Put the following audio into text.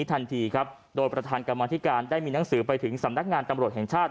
ทันทีครับโดยประธานกรรมธิการได้มีหนังสือไปถึงสำนักงานตำรวจแห่งชาติ